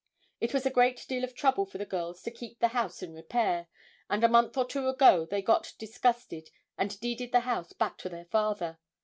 It was a great deal of trouble for the girls to keep the house in repair, and a month or two ago they got disgusted and deeded the house back to their father.